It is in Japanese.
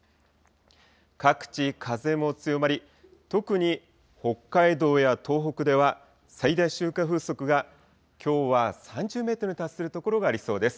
各地、風も強まり、特に北海道や東北では、最大瞬間風速がきょうは３０メートルに達する所がありそうです。